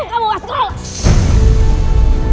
tidak ada yang bisa mengganggu